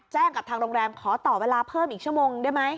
กับทางโรงแรมขอต่อเวลาเพิ่มอีกชั่วโมงได้ไหม